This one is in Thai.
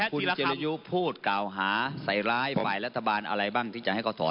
คุณจิรยุพูดกล่าวหาใส่ร้ายฝ่ายรัฐบาลอะไรบ้างที่จะให้เขาถอน